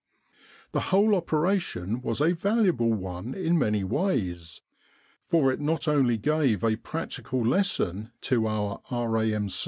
The whole operation was a valuable one in many ways, for it not only gave a practical lesson to our R.A.M.